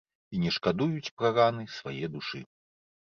І не шкадуюць пра раны свае душы.